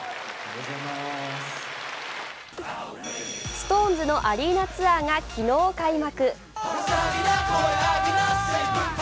ＳｉｘＴＯＮＥＳのアリーナツアーが昨日開幕。